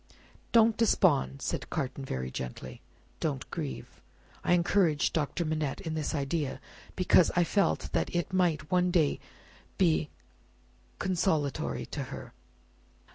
"Don't despond," said Carton, very gently; "don't grieve. I encouraged Doctor Manette in this idea, because I felt that it might one day be consolatory to her.